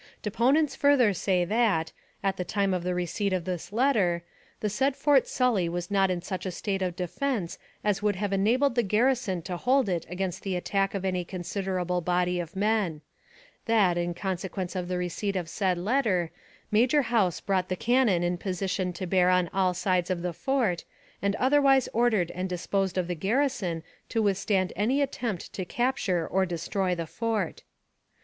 Deponents further say that, at the time of the re AMONG THE SIOUX INDIANS. 283 ceipt of this letter, the said Fort Sully was not in such a state of defense as would have enabled the gar rison to hold it against the attack of any considerable body of men ; that, in consequence of the receipt of said letter, Major House brought the cannon in po sition to bear on all sides of the fort, and otherwise ordered and disposed of the garrison to withstand any attempt to capture or destroy the fort.